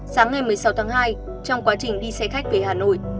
sáng ngày một mươi sáu tháng hai trong quá trình đi xe khách về hà nội